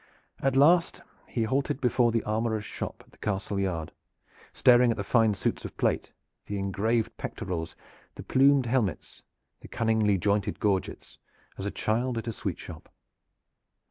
At last he halted before the armorer's shop at the castle yard, staring at the fine suits of plate, the engraved pectorals, the plumed helmets, the cunningly jointed gorgets, as a child at a sweet shop.